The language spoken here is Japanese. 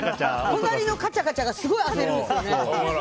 隣のカチャカチャがすごい焦るんですよね。